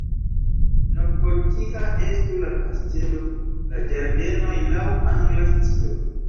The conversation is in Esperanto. Novgotika estu la kastelo, la ĝardenoj laŭ angla stilo.